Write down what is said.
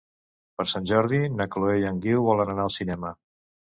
Per Sant Jordi na Chloé i en Guiu volen anar al cinema.